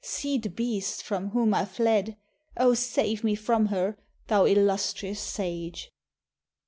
See the beast, from whom I fled. O save me from her, thou illustrious sage!"